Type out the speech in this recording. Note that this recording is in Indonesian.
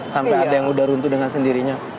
sampai ada yang udah runtuh dengan sendirinya